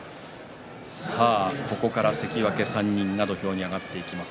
ここから関脇３人が土俵に上がってきます。